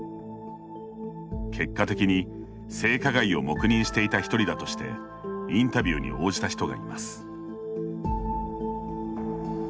結果的に、性加害を黙認していた１人だとしてインタビューに応じた人がいます。